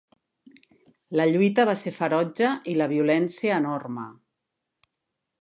La lluita va ser ferotge i la violència, enorme.